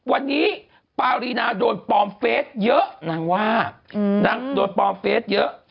วันนี้ปารีนาโดนปลอมเฟสเยอะนางว่านางโดนปลอมเฟสเยอะ